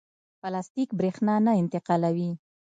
پلاستیک برېښنا نه انتقالوي.